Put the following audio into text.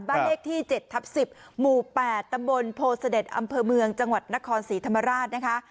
บ้านเลขที่๗ทับ๑๐หมู่๘ตำบลโพเสด็จอำเภอเมืองจังหวัดนครศรีธรรมราชนะคะ